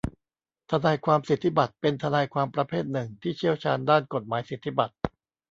ทนายความสิทธิบัตรเป็นทนายความประเภทหนึ่งที่เชี่ยวชาญด้านกฎหมายสิทธิบัตร